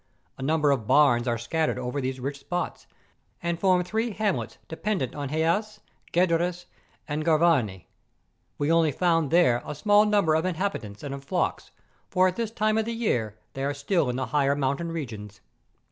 A number of barns are scattered over these rich spots, and form three hamlets dependant on Heas, Gedres, and Gavarnie. We only found there a small num¬ ber of inhabitants and of flocks, for at this time of year they are still in the higher mountain regions.